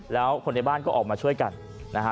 แล้วคนในบ้านก็ออกมาช่วยกันนะฮะ